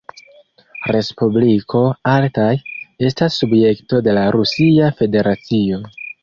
Respubliko Altaj' estas subjekto de la Rusia Federacio.